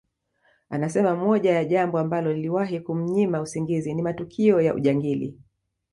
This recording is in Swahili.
Anasema moja ya jambo ambalo liliwahi kumnyima usingizi ni matukio ya ujangili